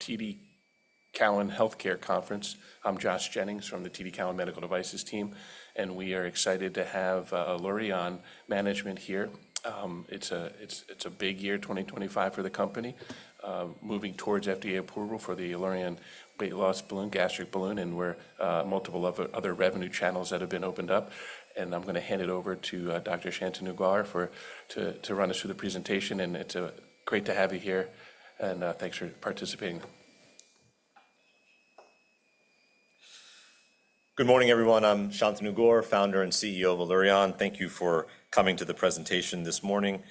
TD Cowen Healthcare Conference. I'm Josh Jennings from the TD Cowen Medical Devices team, and we are excited to have Allurion management here. It's a big year, 2025, for the company, moving towards FDA approval for the Allurion Weight Loss Balloon Gastric Balloon, and we are. Multiple other revenue channels that have been opened up. I'm going to hand it over to Dr. Shantanu Gaur to run us through the presentation. It's great to have you here, and thanks for participating. Good morning, everyone. I'm Shantanu Gaur, founder and CEO of Allurion. Thank you for coming to the presentation this morning.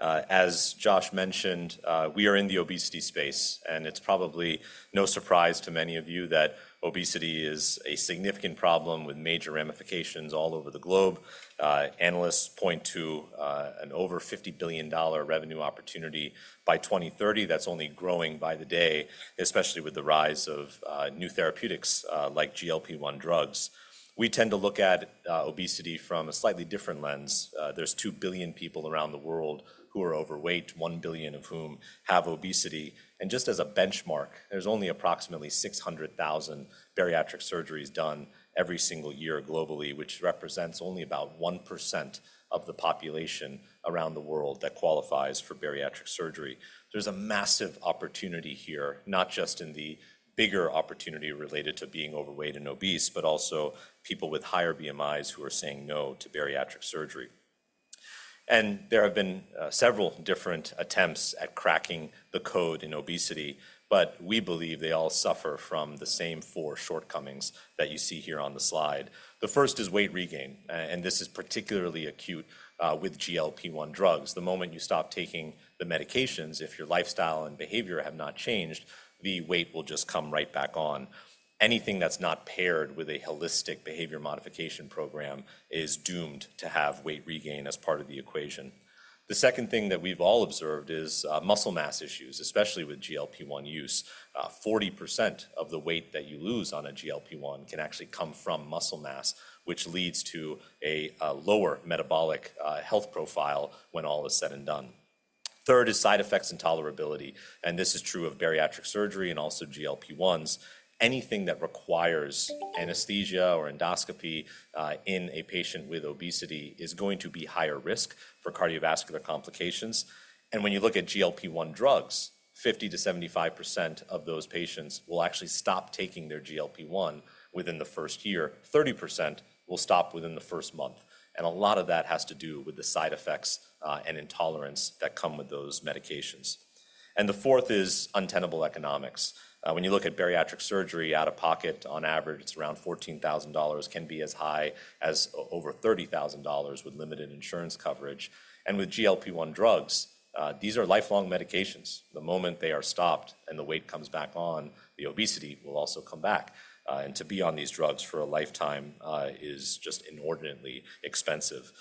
As Josh mentioned, we are in the obesity space, and it's probably no surprise to many of you that obesity is a significant problem with major ramifications all over the globe. Analysts point to an over $50 billion revenue opportunity by 2030. That's only growing by the day, especially with the rise of new therapeutics like GLP-1 drugs. We tend to look at obesity from a slightly different lens. There's 2 billion people around the world who are overweight, 1 billion of whom have obesity. And just as a benchmark, there's only approximately 600,000 bariatric surgeries done every single year globally, which represents only about 1% of the population around the world that qualifies for bariatric surgery. There's a massive opportunity here, not just in the bigger opportunity related to being overweight and obese, but also people with higher BMIs who are saying no to bariatric surgery. There have been several different attempts at cracking the code in obesity, but we believe they all suffer from the same four shortcomings that you see here on the slide. The first is weight regain, and this is particularly acute with GLP-1 drugs. The moment you stop taking the medications, if your lifestyle and behavior have not changed, the weight will just come right back on. Anything that's not paired with a holistic behavior modification program is doomed to have weight regain as part of the equation. The second thing that we've all observed is muscle mass issues, especially with GLP-1 use. 40% of the weight that you lose on a GLP-1 can actually come from muscle mass, which leads to a lower metabolic health profile when all is said and done. Third is side effects and tolerability. This is true of bariatric surgery and also GLP-1s. Anything that requires anesthesia or endoscopy in a patient with obesity is going to be higher risk for cardiovascular complications. When you look at GLP-1 drugs, 50%-75% of those patients will actually stop taking their GLP-1 within the first year. 30% will stop within the first month. A lot of that has to do with the side effects and intolerance that come with those medications. The fourth is untenable economics. When you look at bariatric surgery, out of pocket, on average, it's around $14,000, can be as high as over $30,000 with limited insurance coverage. With GLP-1 drugs, these are lifelong medications. The moment they are stopped and the weight comes back on, the obesity will also come back. To be on these drugs for a lifetime is just inordinately expensive.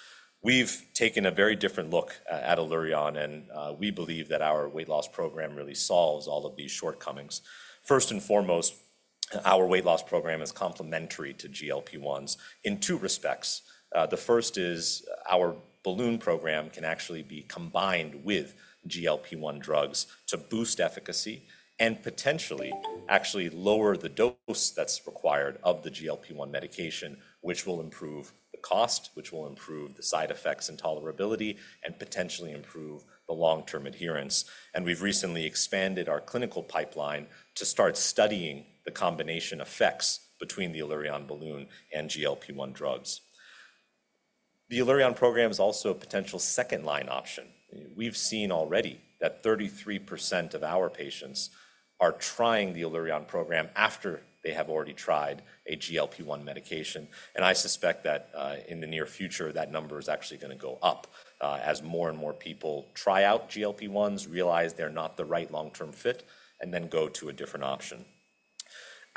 We've taken a very different look at Allurion, and we believe that our weight loss program really solves all of these shortcomings. First and foremost, our weight loss program is complementary to GLP-1s in two respects. The first is our balloon program can actually be combined with GLP-1 drugs to boost efficacy and potentially actually lower the dose that's required of the GLP-1 medication, which will improve the cost, which will improve the side effects and tolerability, and potentially improve the long-term adherence. We've recently expanded our clinical pipeline to start studying the combination effects between the Allurion Balloon and GLP-1 drugs. The Allurion program is also a potential second-line option. We've seen already that 33% of our patients are trying the Allurion program after they have already tried a GLP-1 medication. I suspect that in the near future, that number is actually going to go up as more and more people try out GLP-1s, realize they're not the right long-term fit, and then go to a different option.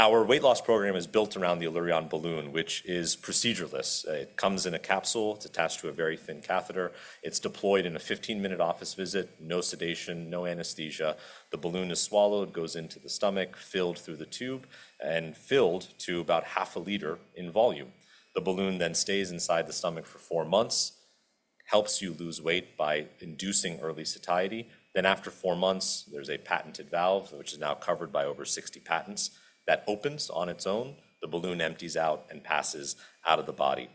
Our weight loss program is built around the Allurion Balloon, which is procedureless. It comes in a capsule. It's attached to a very thin catheter. It's deployed in a 15-minute office visit. No sedation, no anesthesia. The balloon is swallowed, goes into the stomach, filled through the tube, and filled to about half a liter in volume. The balloon then stays inside the stomach for four months, helps you lose weight by inducing early satiety. After four months, there's a patented valve, which is now covered by over 60 patents, that opens on its own. The balloon empties out and passes out of the body;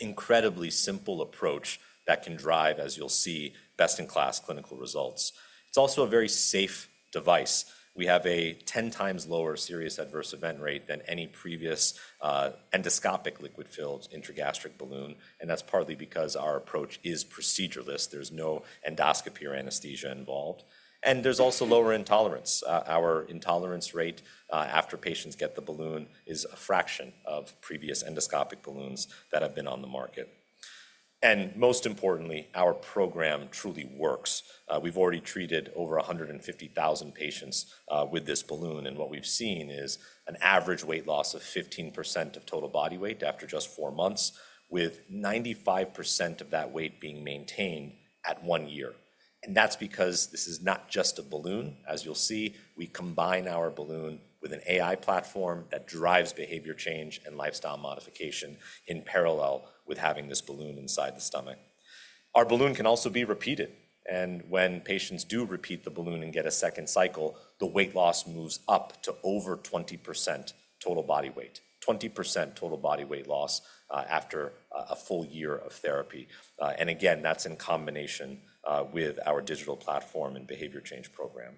incredibly simple approach that can drive, as you'll see, best-in-class clinical results. It's also a very safe device. We have a 10 times lower serious adverse event rate than any previous endoscopic liquid-filled intragastric balloon. That's partly because our approach is procedureless. There's no endoscopy or anesthesia involved. There's also lower intolerance. Our intolerance rate after patients get the balloon is a fraction of previous endoscopic balloons that have been on the market. Most importantly, our program truly works. We've already treated over 150,000 patients with this balloon. What we've seen is an average weight loss of 15% of total body weight after just four months, with 95% of that weight being maintained at one year. That is because this is not just a balloon. As you'll see, we combine our balloon with an AI platform that drives behavior change and lifestyle modification in parallel with having this balloon inside the stomach. Our balloon can also be repeated. When patients do repeat the balloon and get a second cycle, the weight loss moves up to over 20% total body weight, 20% total body weight loss after a full year of therapy. Again, that is in combination with our digital platform and behavior change program.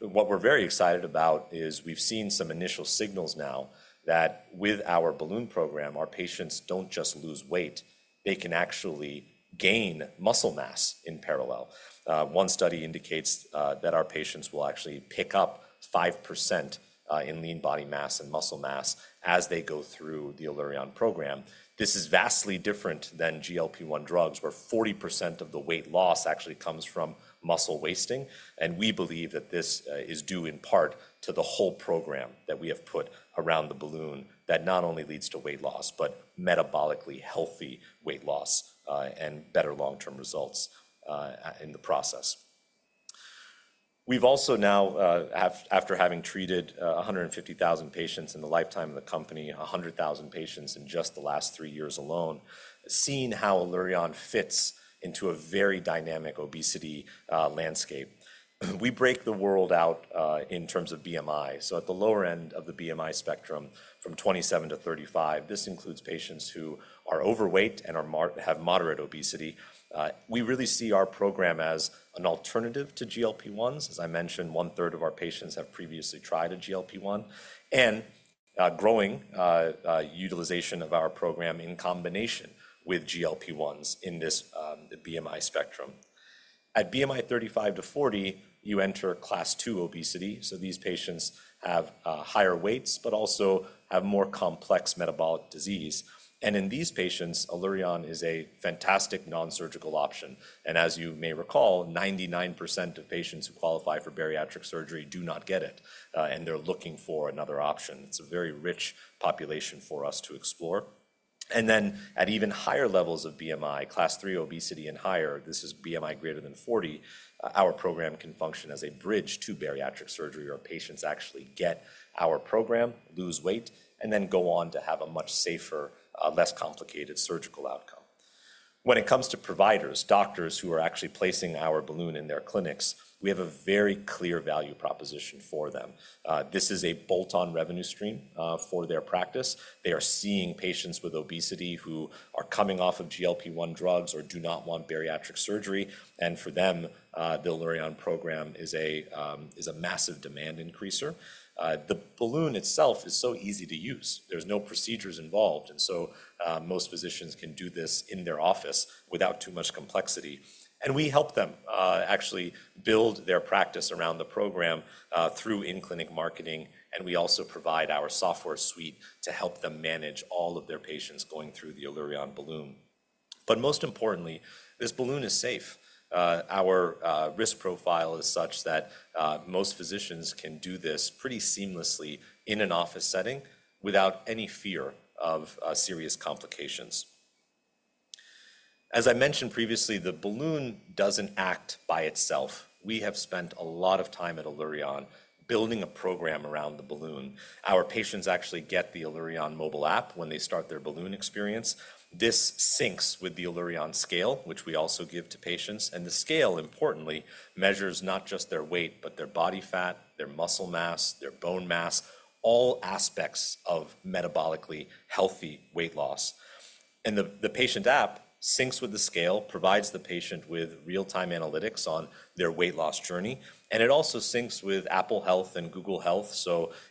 What we're very excited about is we've seen some initial signals now that with our balloon program, our patients do not just lose weight. They can actually gain muscle mass in parallel. One study indicates that our patients will actually pick up 5% in lean body mass and muscle mass as they go through the Allurion program. This is vastly different than GLP-1 drugs, where 40% of the weight loss actually comes from muscle wasting. We believe that this is due in part to the whole program that we have put around the balloon that not only leads to weight loss, but metabolically healthy weight loss and better long-term results in the process. We've also now, after having treated 150,000 patients in the lifetime of the company, 100,000 patients in just the last three years alone, seen how Allurion fits into a very dynamic obesity landscape. We break the world out in terms of BMI. At the lower end of the BMI spectrum from 27-35, this includes patients who are overweight and have moderate obesity. We really see our program as an alternative to GLP-1s. As I mentioned, one-third of our patients have previously tried a GLP-1 and growing utilization of our program in combination with GLP-1s in this BMI spectrum. At BMI 35-40, you enter class two obesity. These patients have higher weights, but also have more complex metabolic disease. In these patients, Allurion is a fantastic non-surgical option. As you may recall, 99% of patients who qualify for bariatric surgery do not get it, and they are looking for another option. It is a very rich population for us to explore. At even higher levels of BMI, class three obesity and higher, this is BMI greater than 40, our program can function as a bridge to bariatric surgery where patients actually get our program, lose weight, and then go on to have a much safer, less complicated surgical outcome. When it comes to providers, doctors who are actually placing our balloon in their clinics, we have a very clear value proposition for them. This is a bolt-on revenue stream for their practice. They are seeing patients with obesity who are coming off of GLP-1 drugs or do not want bariatric surgery. And for them, the Allurion program is a massive demand increaser. The balloon itself is so easy to use. There are no procedures involved. Most physicians can do this in their office without too much complexity. We help them actually build their practice around the program through in-clinic marketing. We also provide our software suite to help them manage all of their patients going through the Allurion Balloon. Most importantly, this balloon is safe. Our risk profile is such that most physicians can do this pretty seamlessly in an office setting without any fear of serious complications. As I mentioned previously, the balloon does not act by itself. We have spent a lot of time at Allurion building a program around the balloon. Our patients actually get the Allurion Mobile App when they start their balloon experience. This syncs with the Allurion Scale, which we also give to patients. The scale, importantly, measures not just their weight, but their body fat, their muscle mass, their bone mass, all aspects of metabolically healthy weight loss. The patient app syncs with the scale, provides the patient with real-time analytics on their weight loss journey. It also syncs with Apple Health and Google Health.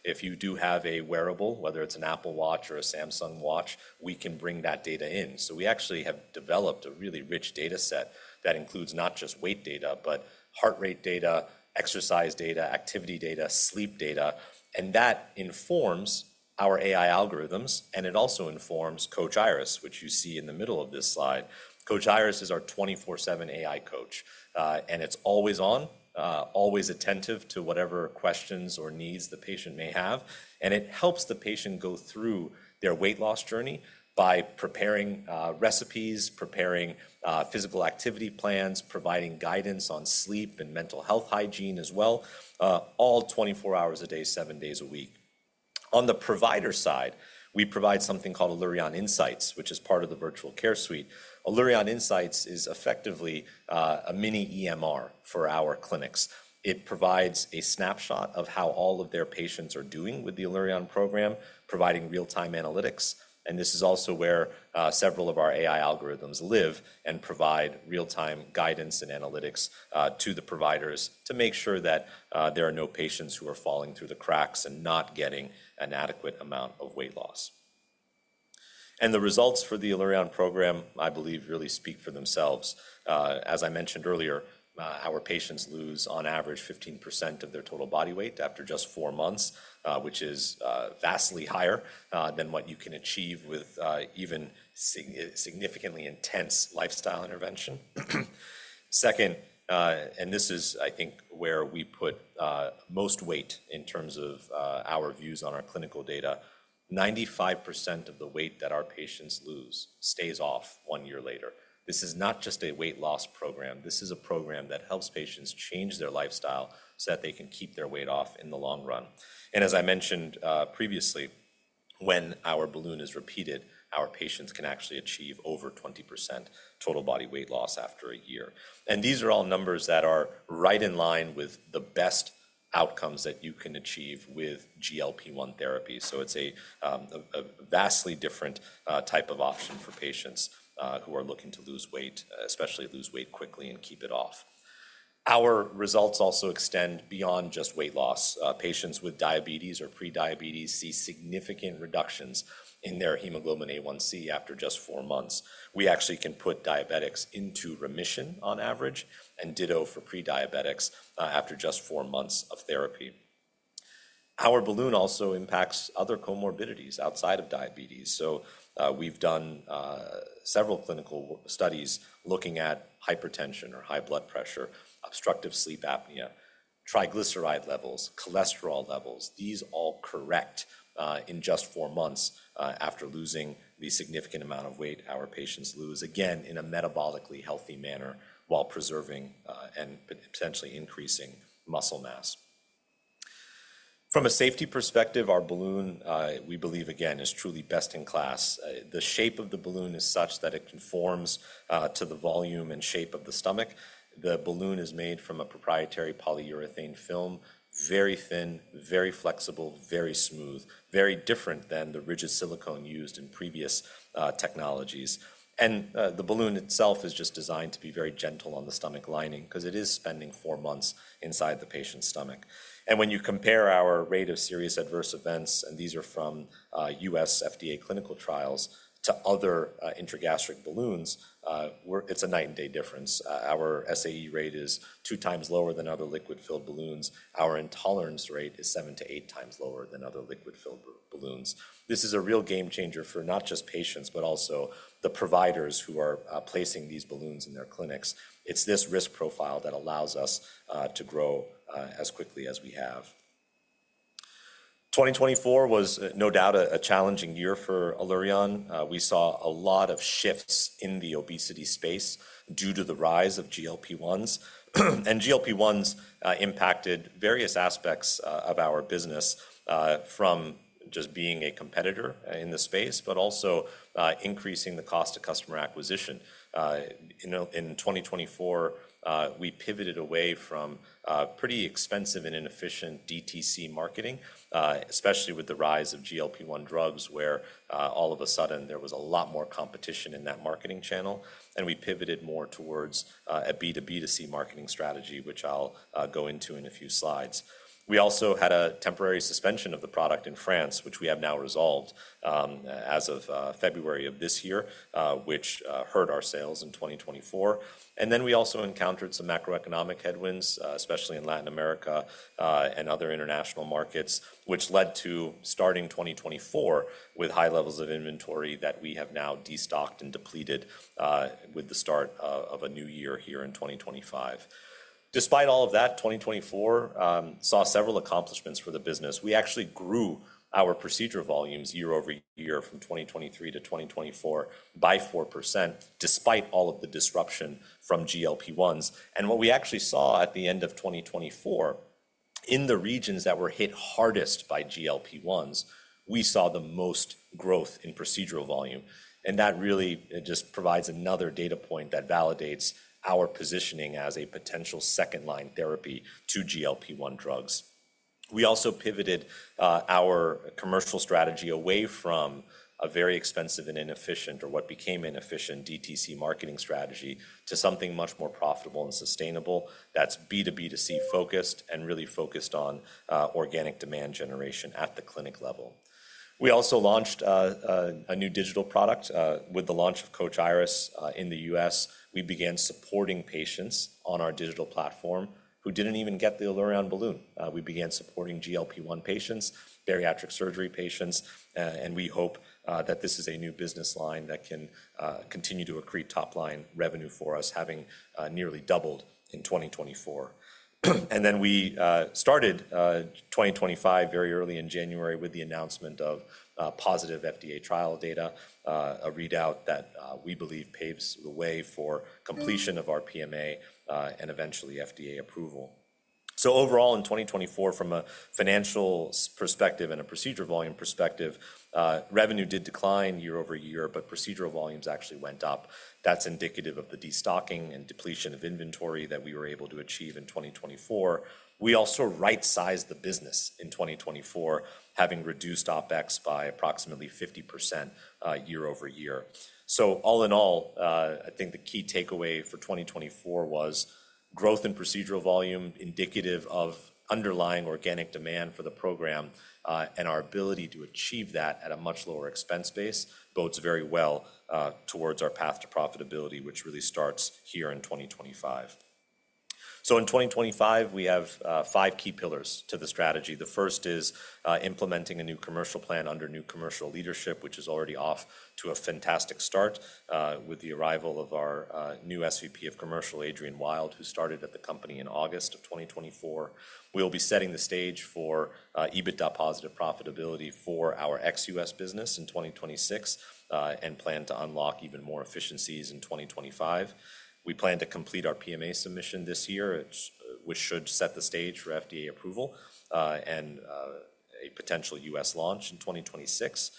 If you do have a wearable, whether it's an Apple Watch or a Samsung Watch, we can bring that data in. We actually have developed a really rich data set that includes not just weight data, but heart rate data, exercise data, activity data, and sleep data. That informs our AI algorithms, and it also informs Coach Iris, which you see in the middle of this slide. Coach Iris is our 24/7 AI coach. It's always on, always attentive to whatever questions or needs the patient may have. It helps the patient go through their weight loss journey by preparing recipes, preparing physical activity plans, providing guidance on sleep and mental health hygiene as well, all 24 hours a day, seven days a week. On the provider side, we provide something called Allurion Insights, which is part of the Virtual Care Suite. Allurion Insights is effectively a mini EMR for our clinics. It provides a snapshot of how all of their patients are doing with the Allurion program, providing real-time analytics. This is also where several of our AI algorithms live and provide real-time guidance and analytics to the providers to make sure that there are no patients who are falling through the cracks and not getting an adequate amount of weight loss. The results for the Allurion program, I believe, really speak for themselves. As I mentioned earlier, our patients lose on average 15% of their total body weight after just four months, which is vastly higher than what you can achieve with even significantly intense lifestyle intervention. Second, and this is, I think, where we put most weight in terms of our views on our clinical data, 95% of the weight that our patients lose stays off one year later. This is not just a weight loss program. This is a program that helps patients change their lifestyle so that they can keep their weight off in the long run. As I mentioned previously, when our balloon is repeated, our patients can actually achieve over 20% total body weight loss after a year. These are all numbers that are right in line with the best outcomes that you can achieve with GLP-1 therapy. It is a vastly different type of option for patients who are looking to lose weight, especially lose weight quickly and keep it off. Our results also extend beyond just weight loss. Patients with diabetes or prediabetes see significant reductions in their hemoglobin A1c after just four months. We actually can put diabetics into remission on average and ditto for prediabetics after just four months of therapy. Our balloon also impacts other comorbidities outside of diabetes. We have done several clinical studies looking at hypertension or high blood pressure, obstructive sleep apnea, triglyceride levels, cholesterol levels. These all correct in just four months after losing the significant amount of weight our patients lose, again, in a metabolically healthy manner while preserving and potentially increasing muscle mass. From a safety perspective, our balloon, we believe, again, is truly best in class. The shape of the balloon is such that it conforms to the volume and shape of the stomach. The balloon is made from a proprietary polyurethane film, very thin, very flexible, very smooth, very different than the rigid silicone used in previous technologies. The balloon itself is just designed to be very gentle on the stomach lining because it is spending four months inside the patient's stomach. When you compare our rate of serious adverse events, and these are from U.S. FDA clinical trials, to other intragastric balloons, it's a night and day difference. Our SAE rate is two times lower than other liquid-filled balloons. Our intolerance rate is seven to eight times lower than other liquid-filled balloons. This is a real game changer for not just patients, but also the providers who are placing these balloons in their clinics. It's this risk profile that allows us to grow as quickly as we have. 2024 was no doubt a challenging year for Allurion. We saw a lot of shifts in the obesity space due to the rise of GLP-1s. GLP-1s impacted various aspects of our business from just being a competitor in the space, but also increasing the cost of customer acquisition. In 2024, we pivoted away from pretty expensive and inefficient DTC marketing, especially with the rise of GLP-1 drugs where all of a sudden there was a lot more competition in that marketing channel. We pivoted more towards a B2B2C marketing strategy, which I'll go into in a few slides. We also had a temporary suspension of the product in France, which we have now resolved as of February of this year, which hurt our sales in 2024. We also encountered some macroeconomic headwinds, especially in Latin America and other international markets, which led to starting 2024 with high levels of inventory that we have now destocked and depleted with the start of a new year here in 2025. Despite all of that, 2024 saw several accomplishments for the business. We actually grew our procedure volumes year over year from 2023 to 2024 by 4%, despite all of the disruption from GLP-1s. What we actually saw at the end of 2024, in the regions that were hit hardest by GLP-1s, we saw the most growth in procedural volume. That really just provides another data point that validates our positioning as a potential second-line therapy to GLP-1 drugs. We also pivoted our commercial strategy away from a very expensive and inefficient, or what became inefficient, DTC marketing strategy to something much more profitable and sustainable that's B2B2C focused and really focused on organic demand generation at the clinic level. We also launched a new digital product. With the launch of Coach Iris in the US, we began supporting patients on our digital platform who didn't even get the Allurion Balloon. We began supporting GLP-1 patients, bariatric surgery patients, and we hope that this is a new business line that can continue to accrete top-line revenue for us, having nearly doubled in 2024. We started 2025 very early in January with the announcement of positive FDA trial data, a readout that we believe paves the way for completion of our PMA and eventually FDA approval. Overall, in 2024, from a financial perspective and a procedure volume perspective, revenue did decline year over year, but procedural volumes actually went up. That's indicative of the destocking and depletion of inventory that we were able to achieve in 2024. We also right-sized the business in 2024, having reduced OpEx by approximately 50% year over year. All in all, I think the key takeaway for 2024 was growth in procedural volume, indicative of underlying organic demand for the program and our ability to achieve that at a much lower expense base, bodes very well towards our path to profitability, which really starts here in 2025. In 2025, we have five key pillars to the strategy. The first is implementing a new commercial plan under new commercial leadership, which is already off to a fantastic start with the arrival of our new SVP of Commercial, Adrian Wild, who started at the company in August of 2024. We'll be setting the stage for EBITDA positive profitability for our ex-U.S. business in 2026 and plan to unlock even more efficiencies in 2025. We plan to complete our PMA submission this year, which should set the stage for FDA approval and a potential U.S. launch in 2026.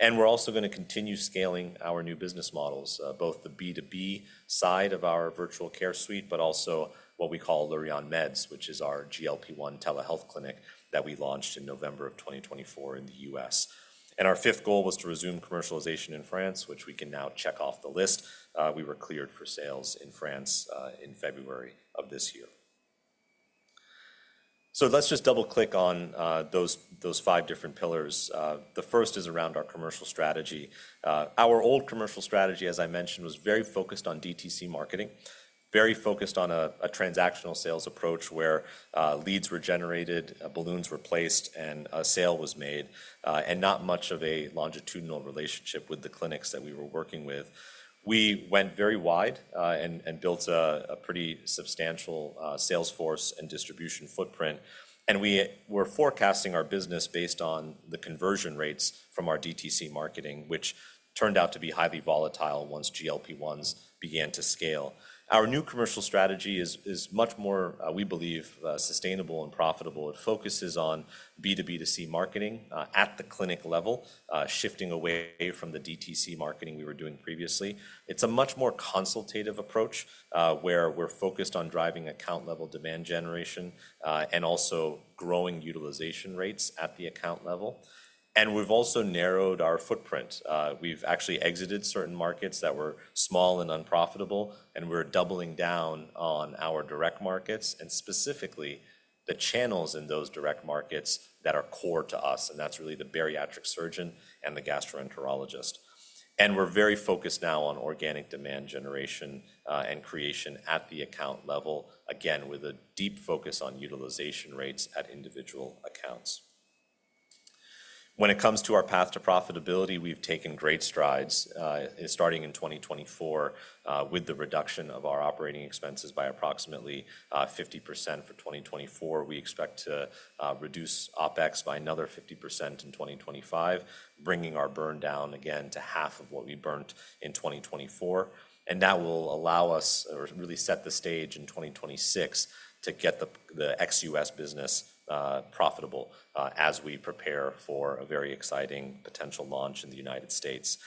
We are also going to continue scaling our new business models, both the B2B side of our Virtual Care Suite, but also what we call Allurion Meds, which is our GLP-1 telehealth clinic that we launched in November of 2024 in the U.S. Our fifth goal was to resume commercialization in France, which we can now check off the list. We were cleared for sales in France in February of this year. Let's just double-click on those five different pillars. The first is around our commercial strategy. Our old commercial strategy, as I mentioned, was very focused on DTC marketing, very focused on a transactional sales approach where leads were generated, balloons were placed, and a sale was made, and not much of a longitudinal relationship with the clinics that we were working with. We went very wide and built a pretty substantial salesforce and distribution footprint. We were forecasting our business based on the conversion rates from our DTC marketing, which turned out to be highly volatile once GLP-1s began to scale. Our new commercial strategy is much more, we believe, sustainable and profitable. It focuses on B2B2C marketing at the clinic level, shifting away from the DTC marketing we were doing previously. It's a much more consultative approach where we're focused on driving account-level demand generation and also growing utilization rates at the account level. We've also narrowed our footprint. We've actually exited certain markets that were small and unprofitable, and we're doubling down on our direct markets and specifically the channels in those direct markets that are core to us. That's really the bariatric surgeon and the gastroenterologist. We're very focused now on organic demand generation and creation at the account level, again, with a deep focus on utilization rates at individual accounts. When it comes to our path to profitability, we've taken great strides. Starting in 2024, with the reduction of our operating expenses by approximately 50% for 2024, we expect to reduce OpEx by another 50% in 2025, bringing our burn down again to half of what we burnt in 2024. That will allow us or really set the stage in 2026 to get the ex-US business profitable as we prepare for a very exciting potential launch in the United States.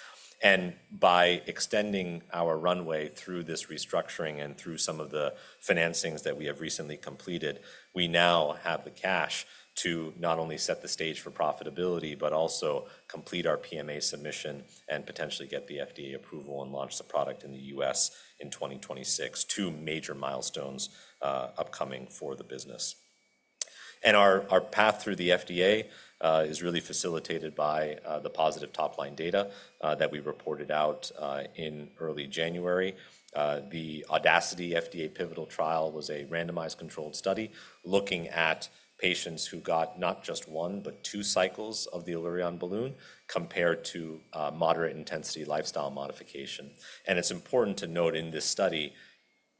By extending our runway through this restructuring and through some of the financings that we have recently completed, we now have the cash to not only set the stage for profitability, but also complete our PMA submission and potentially get the FDA approval and launch the product in the US in 2026, two major milestones upcoming for the business. Our path through the FDA is really facilitated by the positive top-line data that we reported out in early January. The Audacity FDA Pivotal Trial was a randomized controlled study looking at patients who got not just one, but two cycles of the Allurion Balloon compared to moderate intensity lifestyle modification. It is important to note in this study,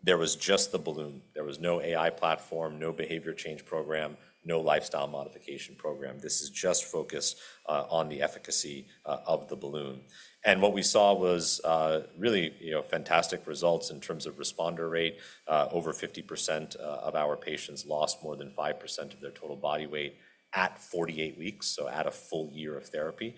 there was just the balloon. There was no AI platform, no behavior change program, no lifestyle modification program. This is just focused on the efficacy of the balloon. What we saw was really fantastic results in terms of responder rate. Over 50% of our patients lost more than 5% of their total body weight at 48 weeks, so at a full year of therapy.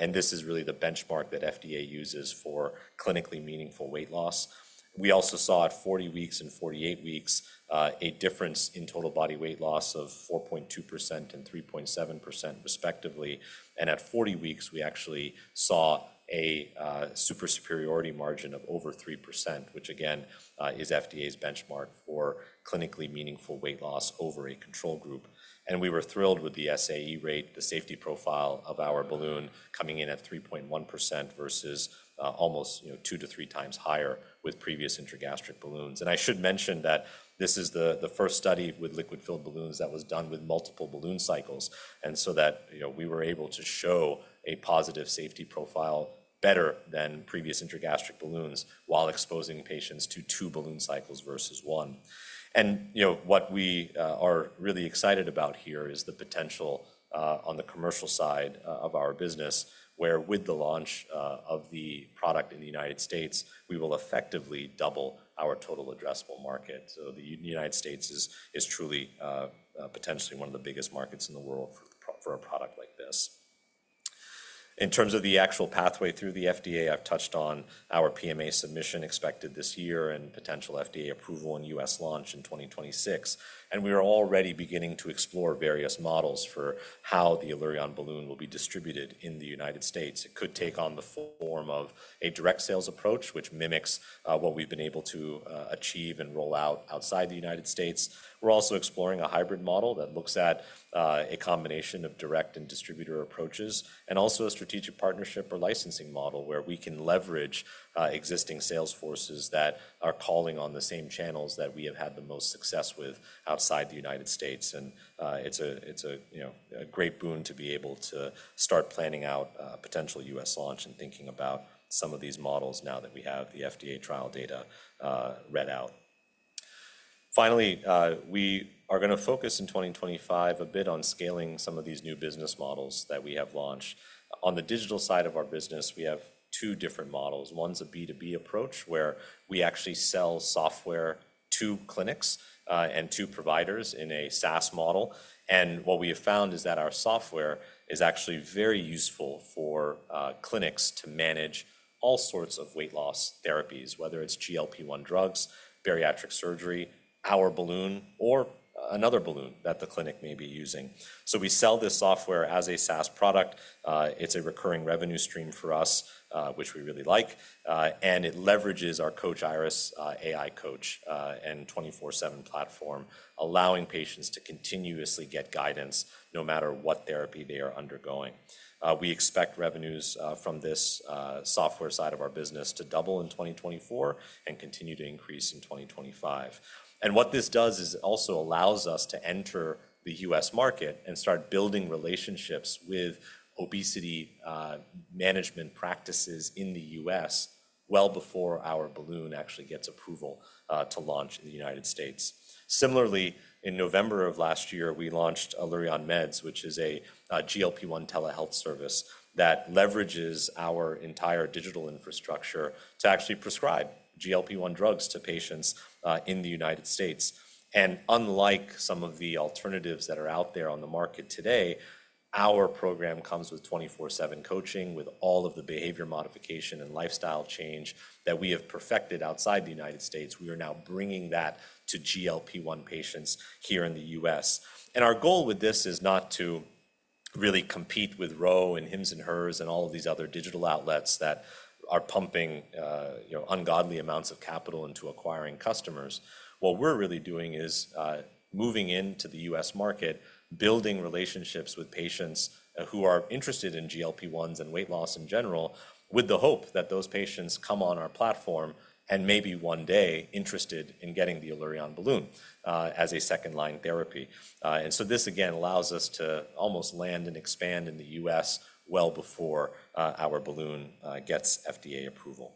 This is really the benchmark that FDA uses for clinically meaningful weight loss. We also saw at 40 weeks and 48 weeks a difference in total body weight loss of 4.2% and 3.7%, respectively. At 40 weeks, we actually saw a super superiority margin of over 3%, which again is FDA's benchmark for clinically meaningful weight loss over a control group. We were thrilled with the SAE rate, the safety profile of our balloon coming in at 3.1% versus almost two to three times higher with previous intragastric balloons. I should mention that this is the first study with liquid-filled balloons that was done with multiple balloon cycles. We were able to show a positive safety profile better than previous intragastric balloons while exposing patients to two balloon cycles versus one. What we are really excited about here is the potential on the commercial side of our business, where with the launch of the product in the United States, we will effectively double our total addressable market. The United States is truly potentially one of the biggest markets in the world for a product like this. In terms of the actual pathway through the FDA, I've touched on our PMA submission expected this year and potential FDA approval and US launch in 2026. We are already beginning to explore various models for how the Allurion Balloon will be distributed in the United States. It could take on the form of a direct sales approach, which mimics what we've been able to achieve and roll out outside the United States. We are also exploring a hybrid model that looks at a combination of direct and distributor approaches, and also a strategic partnership or licensing model where we can leverage existing sales forces that are calling on the same channels that we have had the most success with outside the United States. It is a great boon to be able to start planning out a potential US launch and thinking about some of these models now that we have the FDA trial data read out. Finally, we are going to focus in 2025 a bit on scaling some of these new business models that we have launched. On the digital side of our business, we have two different models. One's a B2B approach where we actually sell software to clinics and to providers in a SaaS model. What we have found is that our software is actually very useful for clinics to manage all sorts of weight loss therapies, whether it's GLP-1 drugs, bariatric surgery, our balloon, or another balloon that the clinic may be using. We sell this software as a SaaS product. It's a recurring revenue stream for us, which we really like. It leverages our Coach Iris AI coach and 24/7 platform, allowing patients to continuously get guidance no matter what therapy they are undergoing. We expect revenues from this software side of our business to double in 2024 and continue to increase in 2025. What this does is also allows us to enter the U.S. market and start building relationships with obesity management practices in the U.S. well before our balloon actually gets approval to launch in the United States. Similarly, in November of last year, we launched Allurion Meds, which is a GLP-1 telehealth service that leverages our entire digital infrastructure to actually prescribe GLP-1 drugs to patients in the United States. Unlike some of the alternatives that are out there on the market today, our program comes with 24/7 coaching with all of the behavior modification and lifestyle change that we have perfected outside the U.S. We are now bringing that to GLP-1 patients here in the U.S. Our goal with this is not to really compete with Ro and Hims & Hers and all of these other digital outlets that are pumping ungodly amounts of capital into acquiring customers. What we are really doing is moving into the U.S. market, building relationships with patients who are interested in GLP-1s and weight loss in general, with the hope that those patients come on our platform and maybe one day are interested in getting the Allurion Balloon as a second-line therapy. This, again, allows us to almost land and expand in the US well before our balloon gets FDA approval.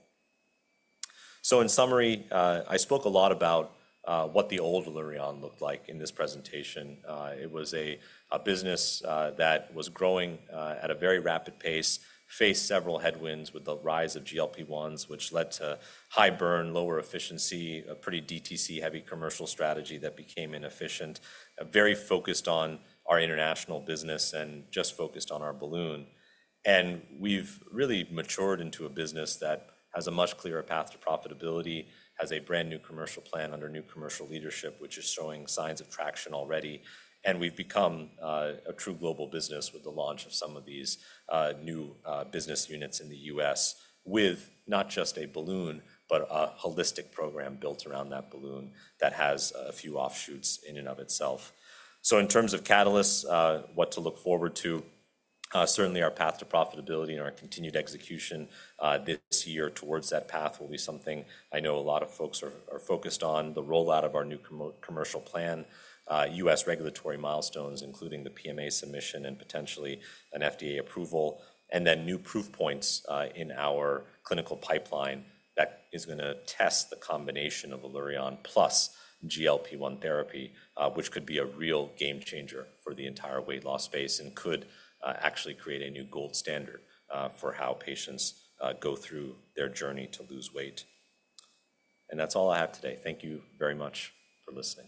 In summary, I spoke a lot about what the old Allurion looked like in this presentation. It was a business that was growing at a very rapid pace, faced several headwinds with the rise of GLP-1s, which led to high burn, lower efficiency, a pretty DTC-heavy commercial strategy that became inefficient, very focused on our international business and just focused on our balloon. We have really matured into a business that has a much clearer path to profitability, has a brand new commercial plan under new commercial leadership, which is showing signs of traction already. We have become a true global business with the launch of some of these new business units in the US with not just a balloon, but a holistic program built around that balloon that has a few offshoots in and of itself. In terms of catalysts, what to look forward to, certainly our path to profitability and our continued execution this year towards that path will be something I know a lot of folks are focused on, the rollout of our new commercial plan, US regulatory milestones, including the PMA submission and potentially an FDA approval, and then new proof points in our clinical pipeline that is going to test the combination of Allurion plus GLP-1 therapy, which could be a real game changer for the entire weight loss space and could actually create a new gold standard for how patients go through their journey to lose weight. That is all I have today. Thank you very much for listening.